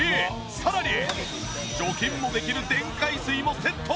さらに除菌もできる電解水もセット！